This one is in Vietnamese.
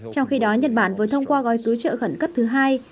trong khi đó nhật bản vừa thông qua gói cứu trợ khẩn cấp thứ hai